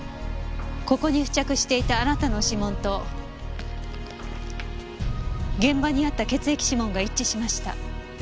ここに付着していたあなたの指紋と現場にあった血液指紋が一致しました。